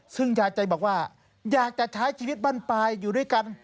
ซึ่งยายใจบอกว่าอยากจะใช้ชีวิตบ้านปลายอยู่ด้วยกัน